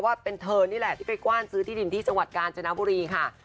ว่าเป็นเธอนี่แหละที่ไปกว้านซื้อที่ดินที่จังหวัดกาญจนบุรีค่ะ